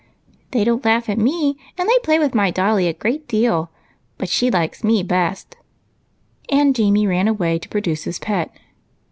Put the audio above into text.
" They don't laugh at me, and they play Avith my dolly a great deal ; but she likes me best ;" and Jamie ran away to produce his pet.